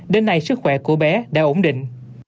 đến nay sức khỏe của bé đã ổn định